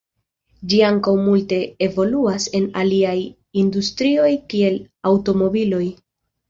Ĝi ankaŭ multe evoluas en aliaj industrioj kiel aŭtomobiloj.